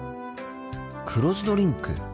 黒酢ドリンク。